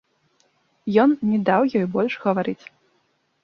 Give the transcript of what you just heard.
Ён не даў ёй больш гаварыць.